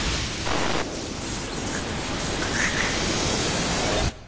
あっ。